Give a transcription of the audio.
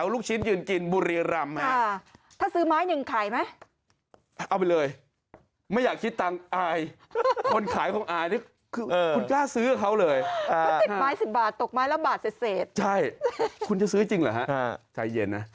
ลูกชิ้นยืนกินเขาสร้างได้